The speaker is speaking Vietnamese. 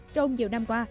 trong nhiều năm qua